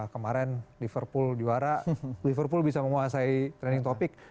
kemarin liverpool juara liverpool bisa menguasai trending topic